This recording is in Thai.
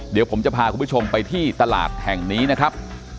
เดี๋ยวผมจะพาคุณผู้ชมไปที่ตลาดแห่งนี้นะครับ